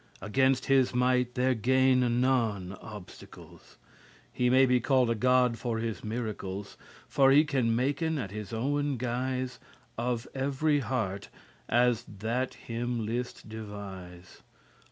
Against his might there gaine* none obstacles, *avail, conquer He may be called a god for his miracles For he can maken at his owen guise Of every heart, as that him list devise.